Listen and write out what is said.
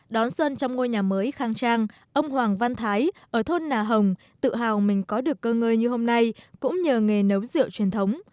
đón xuân trong ngôi nhà mới khang trang ông hoàng văn thái ở thôn nà hồng tự hào mình có được cơ ngơi như hôm nay cũng nhờ nghề nấu rượu truyền thống